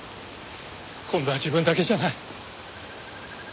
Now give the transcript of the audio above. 今度は自分だけじゃない。